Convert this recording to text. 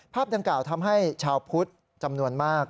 ภาพดำเก่าทำให้ชาวพุธจำนวนมาก